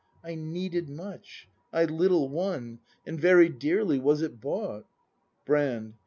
I needed much, I little won; And very dearly was it bought. Brand.